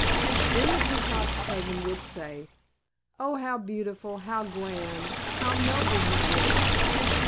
Then the Peacock's cousin would say, "Oh, how beautiful, how grand, how noble he is!